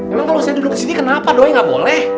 emang kalo saya duduk disini kenapa doi gak boleh